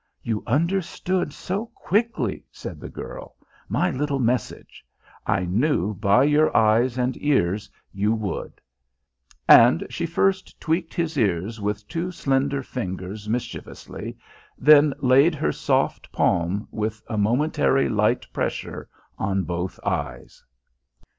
"You understood so quickly," said the girl, "my little message. I knew by your eyes and ears you would." And she first tweaked his ears with two slender fingers mischievously, then laid her soft palm with a momentary light pressure on both eyes.